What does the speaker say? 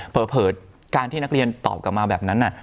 เผลอการที่นักเรียนตอบกลับมาแบบนั้น